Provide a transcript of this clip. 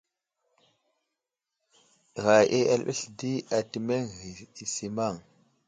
Ghay i erɓels di atimeŋ ghay i simaŋ.